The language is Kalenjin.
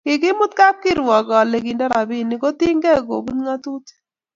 kikimut kapkirwak ale kindo rapinik kotinge koput ngatutik